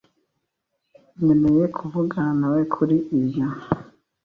Nkeneye kuvugana nawe kuri ibyo.